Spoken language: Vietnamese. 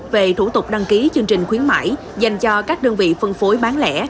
về thủ tục đăng ký chương trình khuyến mại dành cho các đơn vị phân phối bán lẻ